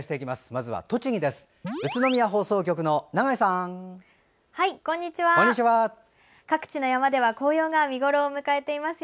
まずは栃木です。